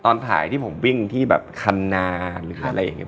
ถ่ายที่ผมวิ่งที่แบบคันนาหรืออะไรอย่างนี้